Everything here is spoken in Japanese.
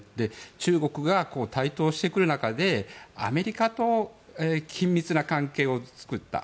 中国が台頭してくる中でアメリカと緊密な関係を作った。